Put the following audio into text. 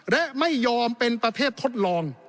และไม่ยอมเป็นประเทศทดลอง